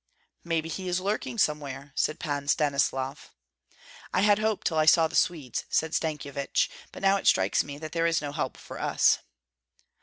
"Maybe he is lurking here somewhere," said Pan Stanislav. "I had hope till I saw the Swedes," said Stankyevich, "but now it strikes me that there is no help for us."